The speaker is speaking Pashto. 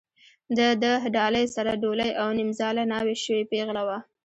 د ده ډالۍ سره ډولۍ او نیمزاله ناوې شوې پېغله وه.